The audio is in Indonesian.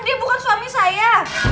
dia bukan suami saya